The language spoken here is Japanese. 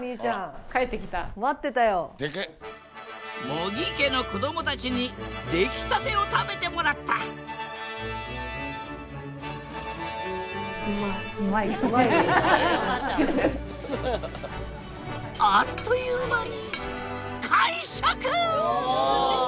茂木家の子供たちに出来立てを食べてもらったあっという間に完食！